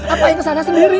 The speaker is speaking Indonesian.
apaan yang ke sana sendiri